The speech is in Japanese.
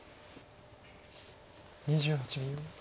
２８秒。